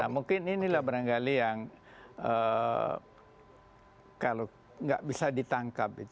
mungkin inilah barangkali yang kalau nggak bisa ditangkap